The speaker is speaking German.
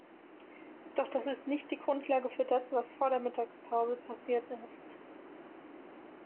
Doch das ist nicht die Grundlage für das, was vor der Mittagspause passiert ist.